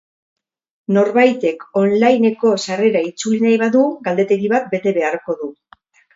Norbaitek on-lineko sarrera itzuli nahi badu, galdetegi bat bete beharko du.